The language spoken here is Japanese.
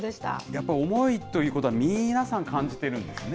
やっぱ重いということは皆さん感じてるんですね。